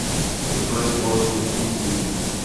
Las flores se producen en junio y julio.